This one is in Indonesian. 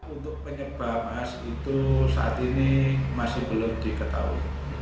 untuk penyebab mas itu saat ini masih belum diketahui